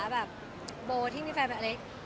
บ่ที่มีแฟนแอล็ค